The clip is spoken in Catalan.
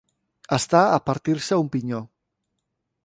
Estar a partir-se un pinyó.